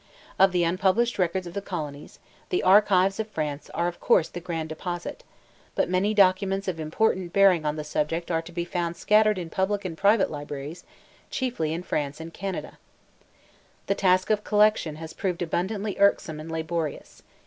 Of the unpublished records of the colonies, the archives of France are of course the grand deposit; but many documents of important bearing on the subject are to be found scattered in public and private libraries, chiefly in France and Canada. The task of collection has proved abundantly irksome and laborious.